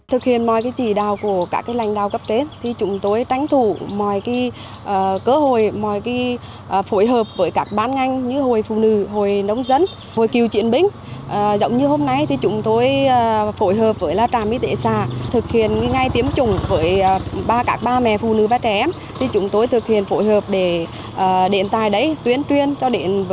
huyện chủ động thực hiện phương thức chỉ đạo linh hoạt khắc phục những tồn tại hiện có